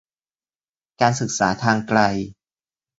การศึกษาทางไกล